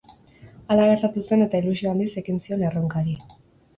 Hala gertatu zen eta ilusio handiz ekin zion erronkari.